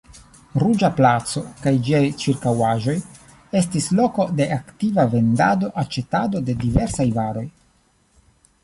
Ruĝa placo kaj ĝiaj ĉirkaŭaĵoj estis loko de aktiva vendado-aĉetado de diversaj varoj.